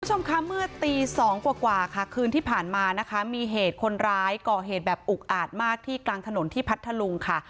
คุณผู้ชมคะเมื่อตีสองกว่าค่ะคืนที่ผ่านมานะคะมีเหตุคนร้ายก่อเหตุแบบอุกอาจมากที่กลางถนนที่พัทธลุงค่ะ